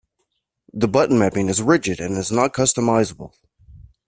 The button mapping is rigid and is not customizable.